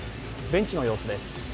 ベンチの様子です。